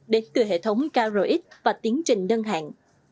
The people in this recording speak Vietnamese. đến từ hệ thống krox và tiến trình đơn hạn